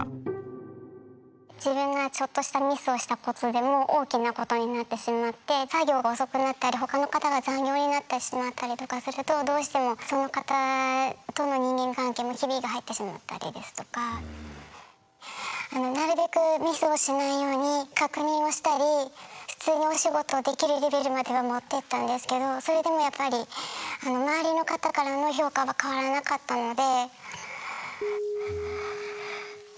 自分がちょっとしたミスをしたことでも大きなことになってしまって作業が遅くなったり他の方が残業になってしまったりとかするとどうしてもその方とのあのなるべくミスをしないように確認をしたり普通にお仕事できるレベルまではもってったんですけどそれでもやっぱり周りの方からの評価は変わらなかったので。